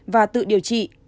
và tự điều trị